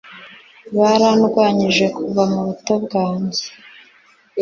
Barandwanyije kuva mu buto bwanjye